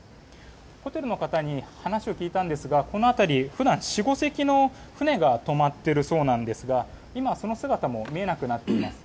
ホテルの方に話を聞いたんですがこの辺り、普段４５隻の船が止まっているそうなんですが今、その姿も見えなくなっています。